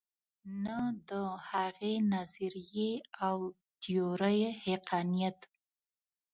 نه د هغې نظریې او تیورۍ حقانیت.